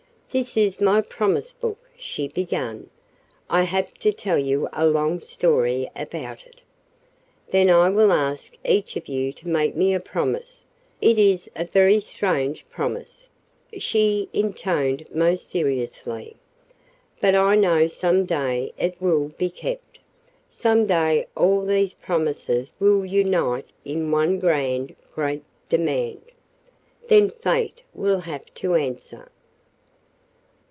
"This is my promise book," she began. "I have to tell you a long story about it. Then I will ask each of you to make me a promise it is a very strange promise," she intoned most seriously. "But I know some day it will be kept. Some day all these promises will unite in one grand, great demand. Then Fate will have to answer."